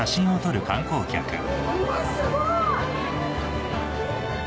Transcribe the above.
うわすごい！